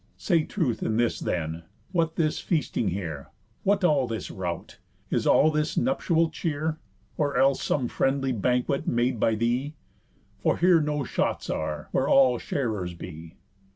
Say truth in this then: What's this feasting here? What all this rout? Is all this nuptial cheer? Or else some friendly banquet made by thee? For here no shots are, where all sharers be.